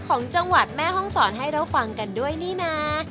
ของจังหวัดแม่ห้องศรให้เราฟังกันด้วยนี่นะ